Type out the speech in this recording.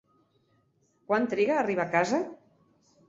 Quant triga a arribar a casa?